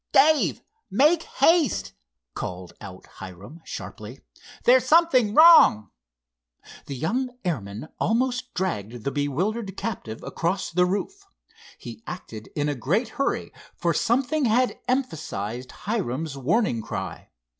"Dave, make haste!" called out Hiram, sharply. "There's something wrong!" The young airman almost dragged the bewildered captive across the roof. He acted in a great hurry, for something had emphasized Hiram's warning cry.